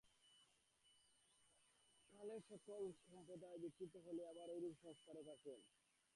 কালে ঐ-সকল সম্প্রদায় বিকৃত হলে আবার ঐরূপ অন্য সংস্কারক আসেন।